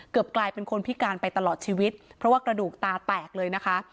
กลายเป็นคนพิการไปตลอดชีวิตเพราะว่ากระดูกตาแตกเลยนะคะ